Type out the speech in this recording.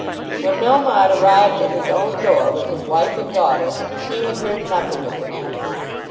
When Melmotte arrived at his own door with his wife and daughter he had heard nothing of the matter.